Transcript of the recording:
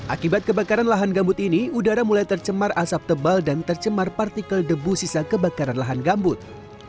akibat kebakaran lahan gambut ini udara mulai tercemar asap tebal dan tercemar partikel debu sisa kebakaran lahan gambut